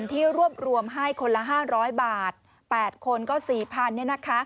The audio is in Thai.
ที่รวบรวมให้คนละ๕๐๐บาท๘คนก็๔๐๐๐บาท